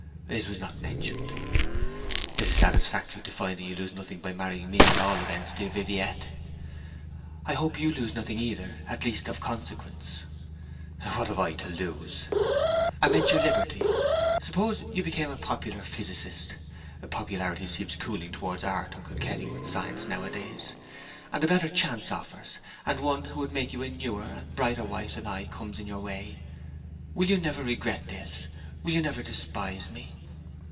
'It was not mentioned.' 'It is satisfactory to find that you lose nothing by marrying me, at all events, dear Viviette.' 'I hope you lose nothing either at least, of consequence.' 'What have I to lose?' 'I meant your liberty. Suppose you become a popular physicist (popularity seems cooling towards art and coquetting with science now a days), and a better chance offers, and one who would make you a newer and brighter wife than I am comes in your way. Will you never regret this? Will you never despise me?'